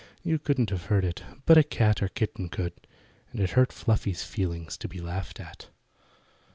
You couldn't have heard it, but a cat or kitten could. It hurt Fluffy's feelings to be laughed at.